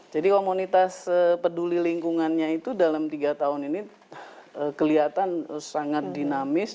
jadi komunitas peduli lingkungannya itu dalam tiga tahun ini kelihatan sangat dinamis